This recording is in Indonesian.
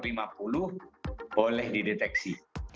kanker yang lebih tua kebetulan bisa diketahui